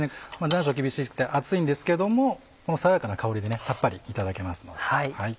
残暑厳しくて暑いんですけどもこの爽やかな香りでさっぱりいただけますので。